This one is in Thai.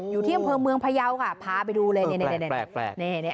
อยู่ที่อำเภอเมืองพยาวค่ะพาไปดูเลยนี่